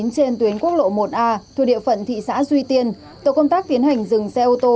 trên tuyến quốc lộ một a thuộc địa phận thị xã duy tiên tổ công tác tiến hành dừng xe ô tô